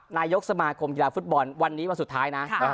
นายกสมาคมกีฬาฟุตบอลวันนี้วันสุดท้ายนะ